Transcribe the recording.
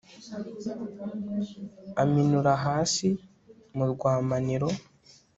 aminura hasi mu rwamaniro